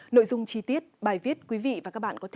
nội dung chi tiết bài viết quý vị và các bạn có thể